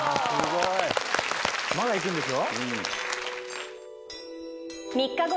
まだいくんでしょ？